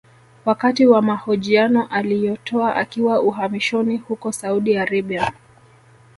Wakati wa mahojiano aliyotoa akiwa uhamishoni huko Saudi Arabia